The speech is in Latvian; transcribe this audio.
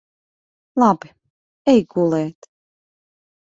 Labi. Ej gulēt.